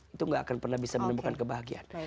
itu gak akan pernah bisa menemukan kebahagiaan